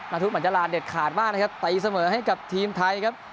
ทุกเหมือนจะลาเด็ดขาดมากนะครับตีเสมอให้กับทีมไทยครับ